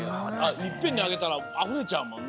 いっぺんにあげたらあふれちゃうもんね。